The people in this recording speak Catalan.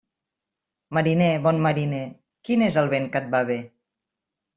Mariner, bon mariner, quin és el vent que et va bé?